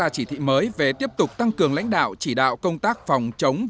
bộ chính trị đã ra quyết định mới về tiếp tục tăng cường lãnh đạo chỉ đạo công tác phòng chống